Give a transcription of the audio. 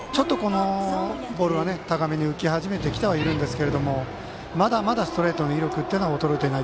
ボールは高めに浮き始めていますがまだまだ、ストレートの威力は衰えていない。